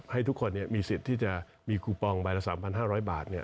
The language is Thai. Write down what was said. ให้ทุกคนมีสิทธิ์ที่จะมีคูปองใบละ๓๕๐๐บาท